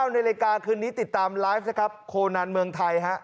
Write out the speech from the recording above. ๑๙ในรายการคืนนี้ติดตามไลฟ์โคนัลเมืองไทย